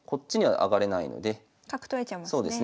角取られちゃいますね。